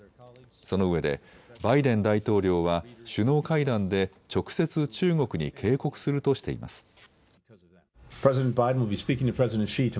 そのうえでバイデン大統領は首脳会談で直接、中国に警告するとしています。